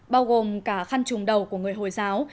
bao gồm cả khăn trùng đầu của người hồi giáo